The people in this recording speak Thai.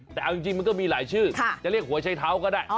แต่เอาจริงมันก็มีหลายชื่อจะเรียกหัวใช้เท้าก็ได้